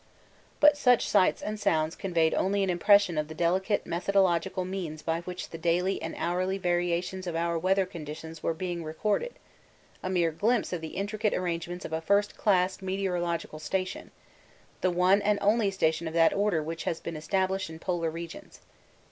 But such sights and sounds conveyed only an impression of the delicate methodical means by which the daily and hourly variations of our weather conditions were being recorded a mere glimpse of the intricate arrangements of a first class meteorological station the one and only station of that order which has been established in Polar regions.